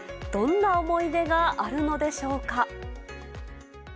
どんな思い出があるのでしょうか。